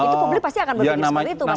itu publik pasti akan berpikir seperti itu mas